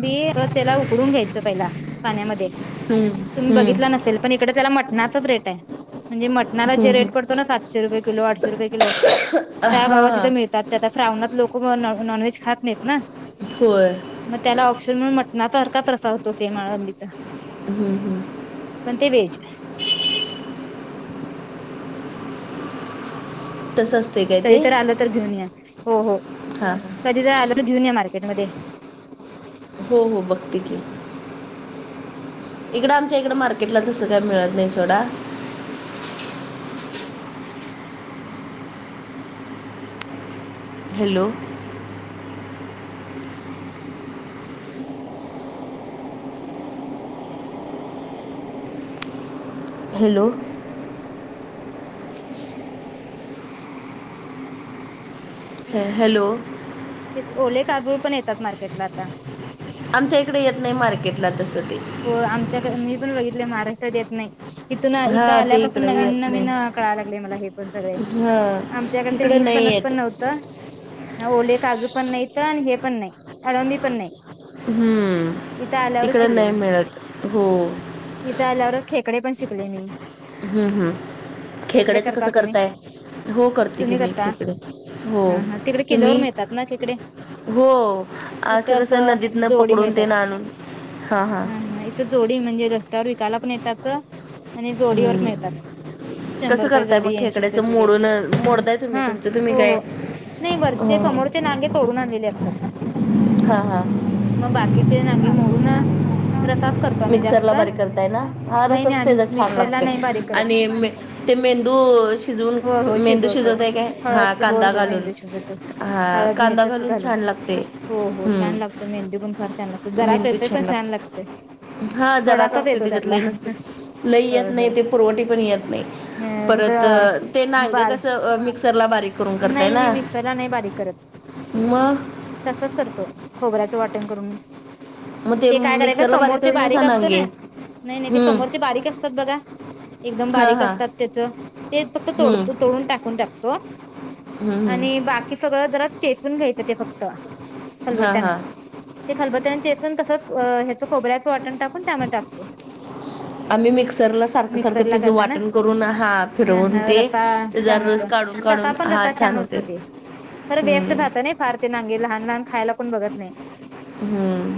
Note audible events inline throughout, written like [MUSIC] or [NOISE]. बी त्याला उकडून घ्यायचं पहिला पाण्यामध्ये. तुम्ही बघितला हम्म नसेल पण इकडे त्याला मटणाचाच रेट आहे. म्हणजे मटणाला जे रेटपडतो ना सातशे रुपये किलो आठशे रुपये किलो. हा त्या भावात तिथं हां. मिळतात त्या श्रावणात लोक नॉनव्हेज खात नाहीत ना. होय. मग त्याला ऑप्शन म्हणुन मटणासारखाचं रसा होतो सेम आळंबीचा. हम् हम्म. पण ते व्हेज. तसंच कधी तर आलो तर घेऊन या हो हो हां हां कधी जर आलो तर घेऊन या मार्केटमध्ये हो हो बघते की. इकडं आमच्या इकडं मार्केटला तसं काही मिळत नाही सोडा हॅलो! हॅलो! हॅ हॅलो! ते ओले काजू पण येतात मार्केटला आता आमच्या इकडे येत नाही मार्केटला तसं ते. हो आमच्याकडे मी पण बघितले महाराष्ट्रात येत नाही. इथून इथं हां ते आल्यापासून इकडे नवीन येत नवीन नाही कळायला लागले मला हे पण सगळे. हां आमच्या इकडे ते नील नाही बनत पण येत नव्हत त, हा ओले काजू पण नाहीत आणि हे पण नाही आळंबी पण नाही इथं हम्म आल्यावरच इकड शिकले नाही मी मिळत. हो. इथं आल्यावर खेकडे पण शिकले मी हम्म हम्म, खेकडे खेकड्याचं करता कसं तुम्ही करताय? हो करते की तुम्ही मी करता खेकडे, हो. ह ह तिकडे किलोवर तुम्ही? मिळतात ना तिकडे हो असं जसं नदीत न पकडून ते ना आणून हां हां हा हा इथे जोडी म्हणजे रस्त्यावर विकायला पण येतातच आणि जोडीवर हं. मिळतात शंभर कसं रुपये करताय मग जोडी, ऐंशी रुपये खेकड्याचं जोडी असे. मोडून मोडताय तुम्ही हा तुमचं तुम्ही हो काय हो. नाही वर चे हं. समोरचे नांगे तोडून आणलेले असतात. हा हा. मग बाकीचे नांगे मोडून रसाच करतो आम्ही मिक्सरला जास्त. बारीक करताय ना हा नाही नाही रसच आम्ही त्याचा छान मिक्सरला लागते नाही बारीक करत. आणि मे ते मेंदू शिजवून होय हो मेंदू शिजवतो. शिजवताय काय हां हळद होय कांदा हो घालून मेंदू शिजवतो. हां हळद, कांदा मीठ अस घालून. छान लागते हो हो छान हं लागतो मेंदू पण फार छान लागतो जरा च मेंदू येतोय पण लागते छान लाग [UNINTELLIGIBLE] हा जराच असतो त्याच्यात लई नसते लई येत होय होय नाही ते पुरवटी पण येत नाही. परत ते कसं नांगे कस मिक्सर ला बारीक करून नाही करताय नाही मी ना मिक्सरला नाही बारीक करत. मग तसच करतो खोबऱ्याचं वाटण करून. मग ते काय करायचं मिक्सरला समोरचे करत नाही बारीक सा असतो ना, नांगे नाही नाही ते समोरचे हम्म बारीक असतात बघा एकदम हा बारीक हा असतात त्याचं ते फक्त हम्म तोडतो तोडून टाकून टाकतो हम्म आणि हम्म बाकी सगळं जरा चेचून घ्यायचं ते फक्त हा हा खलबत्यानं. ते खलबत्यानं चेचून तसंच अह ह्याचं खोबऱ्याचं वाटण टाकून त्यामध्ये टाकतो आम्ही मिक्सरला सारखं सारखं मिक्सरला त्याच करताना वाटण करून हा हा फिरवून ते त्याचा रस काढून ता काढून पण हा रस्सा छान होते होतो ते खरं वेस्ट हम्म जातो ना फार ते नांगे लहान लहान खायला कोण बघत नाही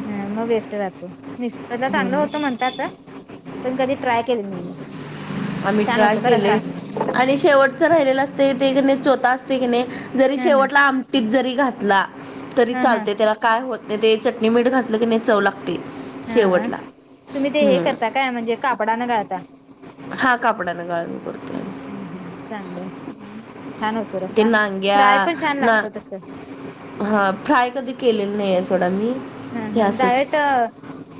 हम्म अन मग वेस्ट जातो मिक्सरला चांगलं होत म्हणता आ पण कधी ट्राय केलेत नाही मी आम्ही छान ट्राय होतो का रसा केलंय आणि शेवटच राहिलेलं असतय ते की नाय चोता असतय की नाय जरी हा हा शेवटला आमटीत जरी घातला तरी हा हा चालतंय त्याला काय होतं नाय ते चटणी मीठ घातलं की नाय चव लागतंय हा शेवटला तुम्ही ते हे हम्म. करता काय म्हणजे कापडा न गाळता? हा कापड्याने गाळून करतो. चांगले छान होतो ते रसा नांग्या फ्राय पण छान ना लागतो तस हा फ्राय, कधी केलेलं नाही आहे सोडा, मी. हा हे हा असंच डायट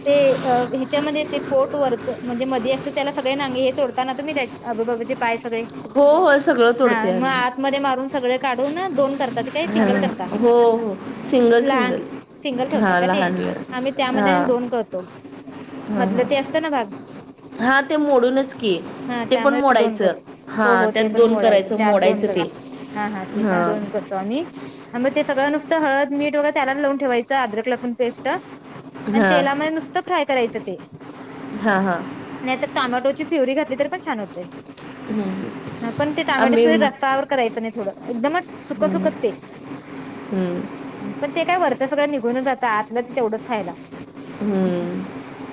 ते ह्याच्या मध्ये ते पोट वरचं म्हणजे मध्ये असं त्याला सगळे नागे हे तोडता ना तुम्ही आजबाजूचे पाय सगळे, हो हो सगळं तोडते हा मग आम्ही आतमध्ये मारून सगळे, काढून दोन करतात काय हा, सिंगल करत हो हो सिंगल - सिंगल. सिंगल, ठेवता हां का ते लहान आम्ही लहान त्यामध्ये आणि हां दोन करतो हां मधलं, हां ते असतं ना भाग हा ते मोडूनच की हा ते पण त्यामध्ये दोन कर मोडायचं हा हो- हो त्यात ते पण दोन मोडायचं करायचं त्यात दोन मोडायचं ते करतात. हा हा ते पण दोन करतो आम्ही ते सगळं नुसत हळद, मीठ, वैगरे त्यालाच लाऊन ठेवायचं अदरक लसून, पेस्ट. पण हा तेलामध्ये नुसतं फ्राय, करायचं ते. हा हा. नाहीतर टॉमेटोची प्युरी घातली तरी पण छान होतंय. हम्म, हा पण ते टोमॅटोची, आम्ही प्युरी रस्सावर करायचं नाही थोडं एकदमच सुख - सुखच ते. हु. पण ते काय वरचं सगळं निघूनच जातंय आतलं ते तेवढंच खायला. हम्म.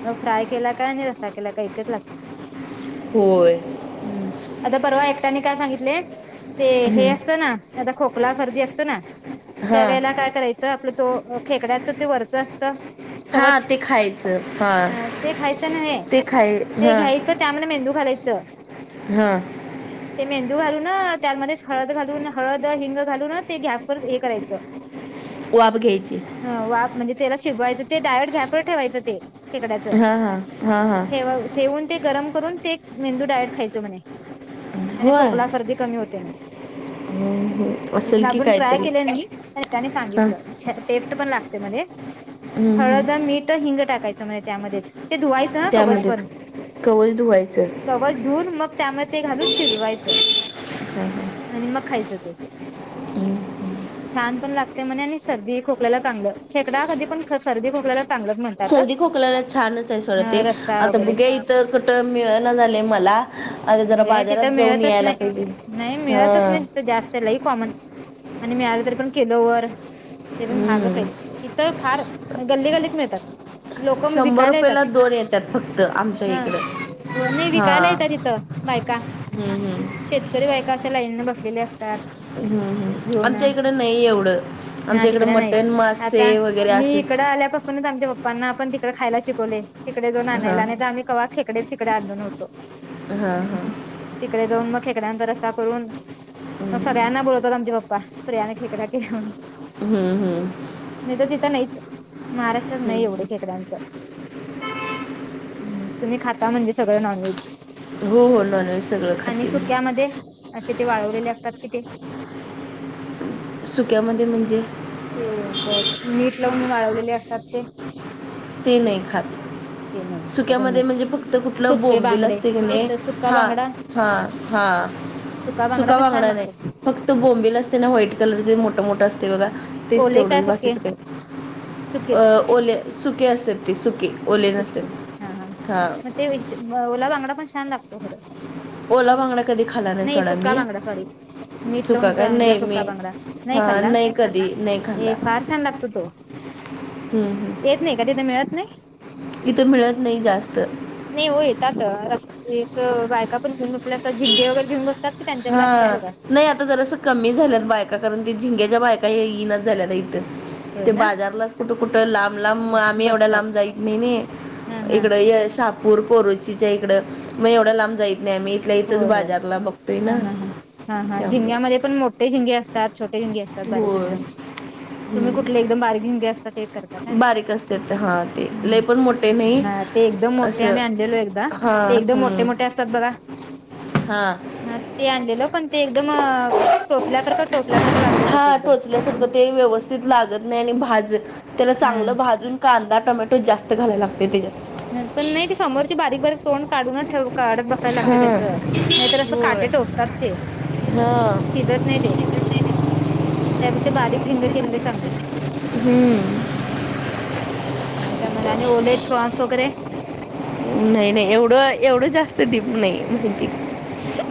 मग फ्राय, केला काय आणि रस्सा, केला काय एकच लागतंय होय. हु आता परवा, एकट्यांनी काय सांगितले? ते हे असतं ना आता खोकला, सर्दी, असतं ना. हा त्या वेळेला काय करायचं, आपलं तो खेकड्याच, ते वरच असतं. हा कवचं ते खायचं हा ते खायचं नव्हे ते खाय ते हा घ्यायचं. चागलं मेंदू घालायचं. हा. ते मेंदू घालून त्यामध्येच हळद, घालून हळद, हिंग घालून ते गॅसवर हे करायचं. वाफ घ्यायची. ह वाफ म्हणजे त्याला शिजवायचं? ते डायरेक्ट, गॅसवर ठेवायचं ते खेकड्याच, हा हा हा हा ठेव ठेवून ते गरम करून ते मेंदू डायरेक्ट, खायचं म्हणे. आणि होय खोकला सर्दी कमी होते म्हणे. हम्म, हम्म. मी पण असेल की अजून ट्राय काहीतरी केले नाही त्यांनी हा सांगितलं. टेस्ट पण लागतंय म्हणे हम्म, हम्म. हळद, मीठ, हिंग टाकायच म्हणे त्यामध्येच ते धुवायचं. तहा कवचपन त्यामध्येच कवच धुवायचं. कवच धुऊन, मग त्यामध्ये ते घालून शिजवायचं. हम ह. आणि मग खायचं ते. [INAUDIBLE] छान पण लागतंय म्हणे, आणि सर्दी खोकल्याला चांगलं. खेकडा कधीपण सर्दी खोकल्याला चांगलंच म्हणे सर्दी- खोकल्याला छानच आहे सोडा ते रस्सा आता वगैरे बघुया ते. तर कुठं मिळना झालंय मला जरा हे तिथं बाजारात जाऊन मिळतचं यायला पाहिजे नाही- नाही मिळतचं हा नाही तिथं जास्त तिथं लय कॉमन, आणि मी आलं तरी पण किलो वर ते पण महागच हम्म. हायत इथं फार गल्ली- गल्लीत मिळतात. लोक म शंभर विकायला येतात रुपयाला दोन येतात फक्त आमच्या हं इकडं हो नाही हा विकायला येतत इथ बायका हम्म, हम्म. शेतकरी बायका अशा लाईनने बसलेल्या असतात हम्म, हम्म. घेऊन आमच्या इकडे नाही एवढं हा आमच्या इकडे तिकड नाहीत मटण आता मासे वगैरे मी इकड असंच आल्यापसण आमच्या पप्पांना आपण तिकडे खायला शिकवले तिकडे जाऊन हां आणायला आणि नाही तर खेकडे तिकडे आणलो नव्हतो हां हां तिकडे जाऊन मग खेकड्याचा रस्सा करून मग सगळ्यांना बोलवत आमचे पप्पा- प्रियाने खेकडा केला म्हणून हम्म हम्म नाही तर तिथ नाहीच महाराष्ट्रात नाही एवढे खेकड्यांच तुम्ही खाता म्हणजे सगळ नॉनव्हेज हो हो नॉनव्हेज सगळं आणि खाते मी सुक्यामध्ये असे ते वाळवलेले असतात कि ते सुक्यामध्ये म्हणजे ते मीठ लावुन वाळवलेले असतात ते ते नाही ते नाही खात घातलं सुक्यामध्ये तुम्ही म्हणजे फक्त कुठल सुके बोंबील बांगडे असते की नाही तेच सुका हा बांगडा हा हा सुका पण छान बांगडा नाही लागतो फक्त बोंबिल असते ना व्हाईट कलरचे मोठ मोठ असते बघा तेच ते ओले काय तेवढच सुके बाकीच का सुकेच अ ओले सुक ते सुके ओले नसत्यात हा मग ते ओला बांगडा पण छान लागतो खर ओला बांगडा कधी खाणार आहे सोडा मी बांगडा सॉरी मीठ लावून सुका का नाही मी सुका बांगडा हा खाल्ला नाही कधी नाही खाल्ला हे फार छान लागतो तो हम्म हम् येत नाही का तिथे मिळत नाही इथ मिळत नाही जास्त नाही हो येतात रस बायका पण घेऊन बस आपल्या अस झिंंगे वगैरे घेऊन बसतात की त्यांच्याकडे असतात हा बघा नाही आता जरासं कमी झाल्यात बायका कारण ते झिंग्याच्या बायका येइन झाल्यात इथं होय ते ना बाजारलाच कुठ कुठ लांब लांब आम्ही एवढ्या बसतात लांब जाईत नाही नाही हा हा इकड शहापुर पोरुचीच्या इकड मग एवढ्या लांब जाईत नाही आम्ही आपल्या इथच होय होय बाजारला बघतोय हा ना हा हा हा हा त्यामुळे झिंग्यामध्ये पण मोठे झिंगे असतात छोटे झिंगे असतात बारीक होय. एकदम तुम्ही हम्म कुठले एकदम बारिक झिंगे जे असता ते करता का बारीक असत्यात हा ते लय पण मोठे नाही. हा ते एकदम मोठे असं आम्ही आणलेलो एकदा ते एकदम मोठे मोठे असतात बघा हं हं ते आणलेल पण ते एकदम टोचल्यासारख टोचल्यासारख लागत होत ते हा एकदम टोचल्यासारखं ते व्यवस्थित लागत नाही आणि भाज त्याला हा चांगल भाजुन कांदा टोमॅटो जास्त घालायला लागते त्याच्यात पण नाही ते समोरची बारीक बारीक तोंड काढुनच ठेव काढत बसायला लागते त्याच हा. नाहीतर अस होय काटे टोचतात ते हा शिजत नाही ते त्यापेक्षा बारीक झिंगे केलेले चांगले हम्म आणि काय म्हणाले आणि ओले फ्रॉन्स वगैरे नाही नाही एवढ एवढ जास्त डिप नाही माहिती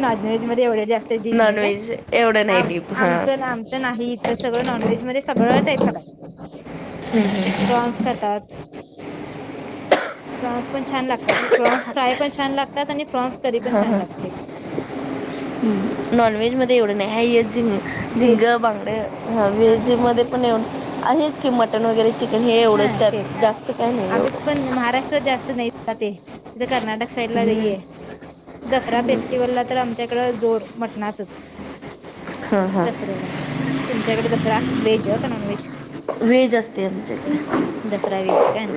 नॉनव्हेज मध्ये एवढे जास्त देत नाही का नॉनव्हेज एवढं नाही आम डीप हा आमच आमच नाही ते सगळं नॉनव्हेज मध्ये, सगळं टाईप खातात. प्रॉन्स खातात. प्रॉन्स पण छान लागतात. प्रॉन्स फ्राय पण छान लागतात. आणि प्रॉन्स करी पण छान लागते. [INAUDIBLE] हम्म, नॉनव्हेज मध्ये एवढं नाही. आहे एक झिंग, झिंग व्हेज बांगड हा व्हेज मध्ये पण एव, आहेच की मटन वगैरे चिकन हे एवढंच हा त्यात. तेच जास्त काय नाही आम्ही एवढं. पण महाराष्ट्र जास्त नाही जातंये. इथे कर्नाटक साईड ला लईये. हम्म [INAUDIBLE] दसरा फेस्टिवला तर आमच्याकडं जोर मटणाचंच हा [INAUDIBLE] हा दसऱ्याला. तुमच्याकडे दसरा व्हेज का नॉन व्हेज? व्हेज असते आमचे दसरा व्हेज काय?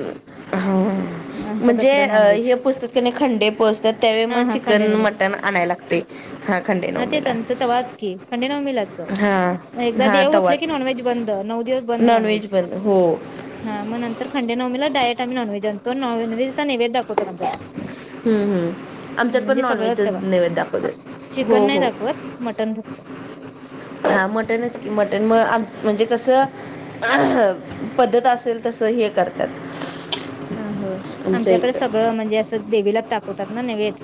हम्म आमचा म्हणजे दसरा अ नॉन व्हेज हे पोचतात कि नाही खंडे पोचतात त्यावेळी हा मग हा चिकन, खंडेनवी मटण आणायला लागते. हां खंडे [INAUDIBLE] हा तेच नवमीला आमचं तवाच की, खंडेराव मिलात च. हां एकदा हां देव बसले की, तवाच नॉनव्हेज बंद. नऊ दिवस बंद नॉनव्हेज. हो. हा मग नंतर खंडे नवमी डायरेक्ट आम्ही नॉनव्हेज आणतो, नॉनव्हेज, व्हेजचा निवेद दाखवतो. हम्म हम्म आमच्यात पण नॉनव्हेजच तेव्हा निवेद दाखवतात. चिकन हो नाही हो. दाखवत मटन फक्त हा मटणच की, मटण म आम म्हणजे कसं अ पद्धत असेल तस हे करतात. हं हो. आमच्या आमच्याकडे इकडं सगळं म्हणजे असं देवीला टाकवतात ना नैवेद.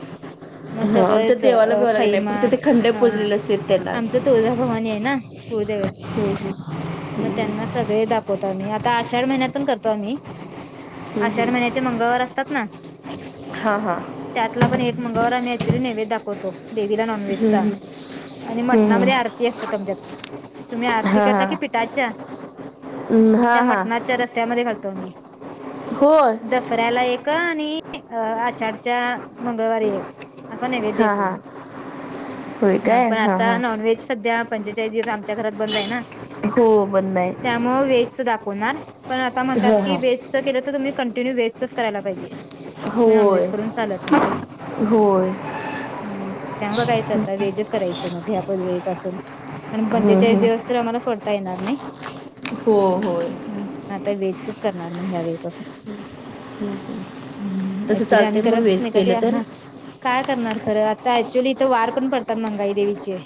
मग हां आमच्या सगळेच देवाला अ बिवाला नाही खैमा. फक्त ते खंडे हं हा पुजलेले असते त्यांना आमचं तुळजा भवानी आहे ना कुळदैवत हो हं मग त्यांना सगळे दाखवतो आम्ही. आता आषाढ महिन्यातून करतो आम्ही आषाढ महिन्याचे मंगळवार असतात ना हा हा. त्यातला पण एक मंगळवार आम्ही ऍक्च्युअली नैवेद दाखवतो. देवीला नॉनव्हेजचा. आणि हम्म मटणामध्ये आरती असतात आमच्यात. तुम्ही आरती करता कि पिठाच्या? हम्म हा हा. ते रस्या मध्ये घालतो आम्ही. [INAUDIBLE] होय. दसऱ्याला एक. आणि अ आषाढच्या मंगळवारी एक. आपण निवेद हा देतो. हा होय ह काय पण हा आता हा नॉनव्हेज सध्या पंचेचाळीस दिवस आम च्याकडे बंद आहे ना. हो बंद आहे. [INAUDIBLE] त्या मग व्हेज च दाखवणार. पण आता म्हणतात हा की, हा व्हेजचं केलं, तर तुम्ही कंटिन्यू व्हेजचच करायला पाहिजे. होय नॉनव्हेज करून चालत नाही. होय [INAUDIBLE] हं [UNINTELLIGIBLE] व्हेज करायचं मग ह्या पुनवेपासून. कारण हम्म पंचेचाळीस हम्म दिवस तर आम्हाला सोडता येणार नाही. हो होय [INAUDIBLE] हम्म, आता व्हेजचच करणार मग ह्या वेळपासून. हम्म हं. हम् हम्म. ऍक्च्युली आम्ही करतच नाही कधी. तर हा काय करणार खरं. आता ऍक्च्युली इथं वार पण पडतात मंगाई देवीचे.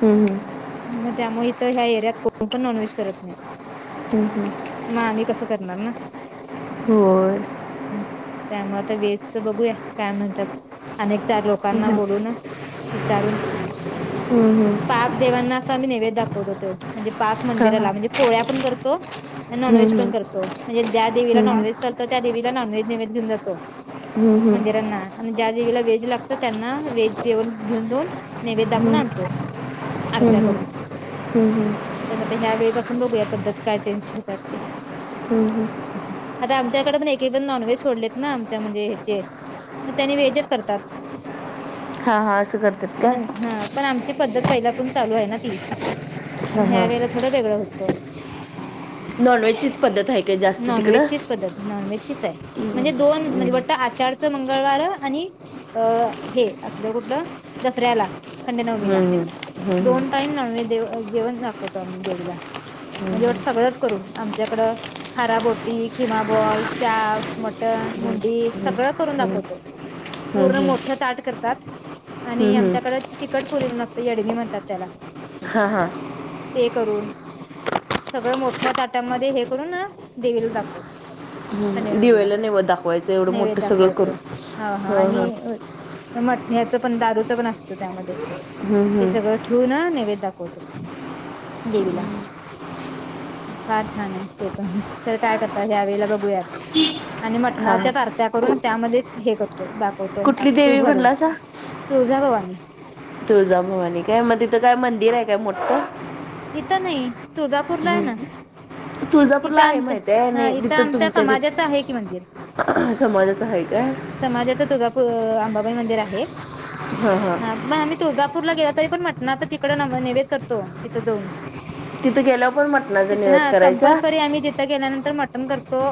ह ह. मग त्यामुळे इथं ह्या एरियात कोण पण नॉनव्हेज करत नाही. हम्म हम्म. म आम्ही कसं करणार ना. होय. त्यामुळे आता वेजच बघूया काय म्हणत्यात. अनेक चार लोकांना बोलून विचारून हम हम. साप देवांना आसा आम्ही नैवेद दाखवतो तो. म्हणजे पाक हा हा मंदिराला म्हणजे पोळ्या पण करतो, आणि हम्म नॉनव्हेज पण हम्म करतो, म्हणजे द्या देवीला हम्म नॉनव्हेज चालत त्या देवीला नॉनव्हेज नेवेद घेऊन जातो हम्म हम्म हम्म मंदिरांना. आणि ज्या देवीला वेज लागतं त्यांना वेज जेवन घेऊन दोन नैवेद दाखवून आणतो, आरत्या हम्म करून. हम्म हम्म पण आता ह्या वेळीपासून बघू या पद्धत काय चेंज होतात ते. आता आमच्याकडे पण एक एक जण नॉनव्हेज सोडलेत ना आमच्या म्हणजे हेचे मग त्यानी वेजच करतात. हा हा असं करतात पण काय हा पण आमची पद्धत पहिल्यापून चालू हाय ना ती. म हा ह्या हा वेळेला थोडं वेगळं होतं. नॉनव्हेजचीच पद्धत हाय नॉन व्हेजचीच पद्धत, नॉन व्हेजचीच हाय. म्हणजे दोन म्हणजे वट आषाढचं मंगळवार आणि अ हे आपलं कुठलं दसऱ्याला. खंडे नवमीला, हम्म दोन टाइम नॉनव जेवण दाखवतो आम्ही देवीला, म्हणजे वट सगळंच करून आमच्याकड खाराबोटी, खिमा बॉल, च्याप्स, मटण, मुंडी सगळं करून दाखवतो. हम्म पूर्ण हम्म मोठं ताट करतात हम्म आणि हम्म आमच्याकड तिखट पुरी म्हणून असत येडमी म्हणतात त्याला हां हां. ते करून, सगळं मोठ्या ताट्यांमध्ये हे करून देवीला दाखवतो. खंडे हां नवमीला, दिवेला नैवद दाखवायचं एवढं नैवेद मोठं सगळं दाखवायच, करून हा हा आणि मट ह्याचं पण दारूचं पण असतं त्यामध्ये, हम्म ते हम्म सगळं ठून नैवेद्य दाखवतो देवीला. फार छान आहे ते पण. खर काय करता ह्यावेळेला बघूया आता आणि हा हा मटणाच्या आरत्या कु करून त्यामध्येच हे करतो खवतो कुठली देवी तूप घालून म्हणलासा तुळजा भवानी. तुळजाभवानी काय मग तिथं काय मंदिर हाय काय मोठं? इथं नाही, तुळजापूरला आहे ना. तुळजापूरला इथं आहे आमच्या माहिती हाय हा नाही इथं तिथं आमच्या तुमच्या समाजाचं आहे की मंदिर तिथ समाजाच आहे काय? समाजाचं तुर्गापूर अंबाबाई मंदिर आहे हां हां हा म आम्ही तुळजापूरला गेला तरी पण मटनाच तिकडं नैवेद करतो, तिथं जाऊन. तिथं गेल्यावर पण मटणाचा तिथं निवद हं करायचा कंपल्सरी आम्ही तिथं गेल्यानंतर मटण करतो